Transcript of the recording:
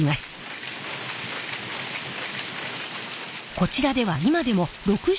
こちらでは今でも６０